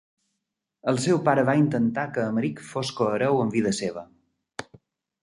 El seu pare va intentar que Emeric fos cohereu en vida seva.